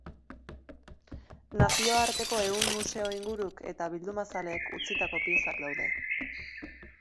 Nazioarteko ehun museo inguruk eta bildumazaleek utzitako piezak daude.